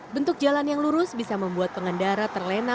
bentuk jalan yang lurus bisa membuat pengendara terlena